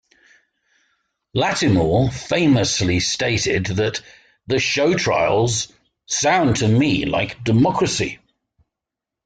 Lattimore famously stated that the show trials "sound to me like democracy".